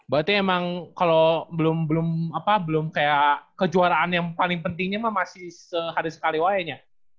berarti emang kalo belum belum apa belum kayak kejuaraan yang paling pentingnya emang masih sehari sekali wayanya